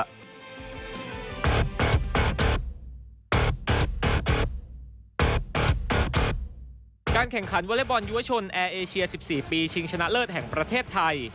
การแข่งขันวอเล็กบอลยุวชนแอร์เอเชีย๑๔ปีชิงชนะเลิศแห่งประเทศไทย